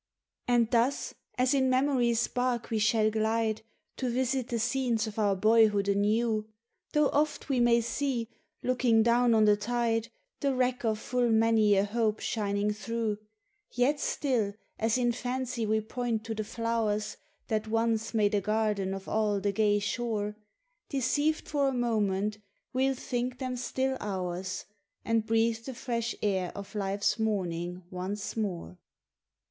And thus, as in memory's bark we shall glide, To visit the scenes of our boyhood anew, Though oft we may see, looking down on the tide, The wreck of full many a hope shining through; Yet still, as in fancy we point to the flowers That once made a garden of all the gay shore, Deceived for a moment, we '11 think them still ours, And breathe the fresh air of life's morning once more.